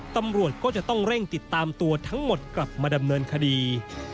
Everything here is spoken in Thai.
ตำรวจก็จะต้องเร่งติดตามตัวทั้งหมดกลับมาดำเนินคดี